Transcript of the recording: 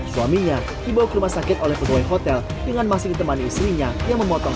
suaminya dibawa ke rumah sakit oleh pegawai hotel dengan masih ditemani istrinya yang memotong